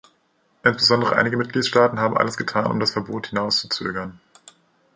Insbesondere einige Mitgliedstaaten haben alles getan, um das Verbot hinauszuzögern.